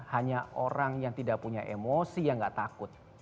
hanya orang yang tidak punya emosi yang tidak takut